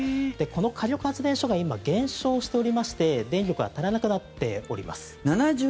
この火力発電所が今、減少しておりまして電力が足らなくなっております。